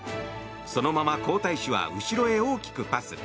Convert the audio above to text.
そのまま皇太子は後ろへ大きくパス。